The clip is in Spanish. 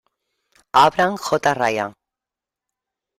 Abram J. Ryan.